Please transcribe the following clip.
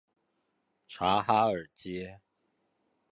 察哈爾街